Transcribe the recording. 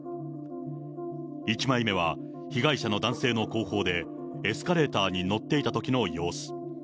１枚目は、被害者の男性の後方で、エスカレーターに乗っていたときの様子。